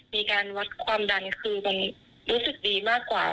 มีการวัดความดันคือมันรู้สึกดีมากกว่า